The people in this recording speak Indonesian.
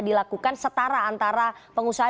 dilakukan setara antara pengusaha